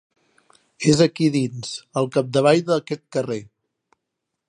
És aquí dins, al capdavall d'aquest carrer.